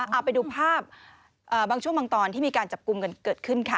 เอาไปดูภาพบางช่วงบางตอนที่มีการจับกลุ่มกันเกิดขึ้นค่ะ